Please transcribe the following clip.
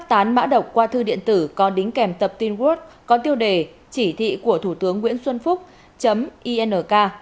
hán mã độc qua thư điện tử có đính kèm tập tin word có tiêu đề chỉ thị của thủ tướng nguyễn xuân phúc inrk